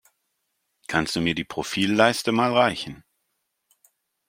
Kannst du mir die Profilleiste mal reichen?